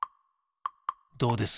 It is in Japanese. どうです？